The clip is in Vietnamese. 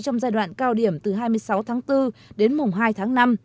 trong giai đoạn cao điểm từ hai mươi sáu tháng bốn đến mùng hai tháng năm